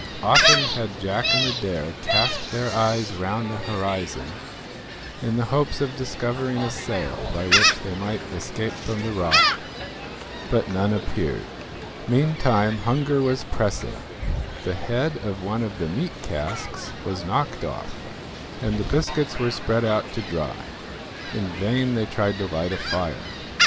Often had Jack and Adair cast their eyes round the horizon in the hopes of discovering a sail by which they might escape from the rock, but none appeared. Meantime hunger was pressing; the head of one of the meat casks was knocked off, and the biscuits were spread out to dry. In vain they tried to light a fire.